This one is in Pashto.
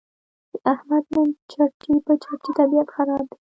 د احمد نن چټي په چټي طبیعت خراب دی.